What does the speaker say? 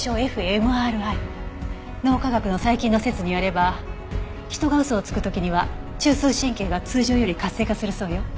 脳科学の最近の説によれば人が嘘をつく時には中枢神経が通常より活性化するそうよ。